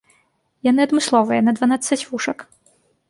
Яны адмысловыя, на дванаццаць вушак.